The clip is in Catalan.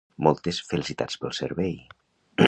Moltes felicitats pel servei!